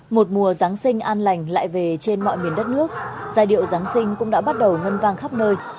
một mùa giáng sinh an lành lại về trên mọi miền đất nước giai điệu giáng sinh cũng đã bắt đầu ngân vang khắp nơi